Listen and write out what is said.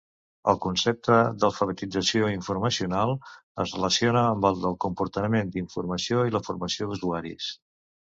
El concepte d'alfabetització informacional es relaciona amb el de comportament d'informació i la formació d'usuaris.